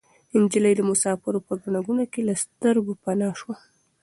نجلۍ د مسافرانو په ګڼه ګوڼه کې له سترګو پناه شوه.